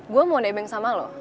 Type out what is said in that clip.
gue mau nebeng sama lo